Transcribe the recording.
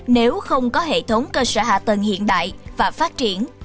nếu không có hệ thống cơ sở hạ tầng hiện đại và phát triển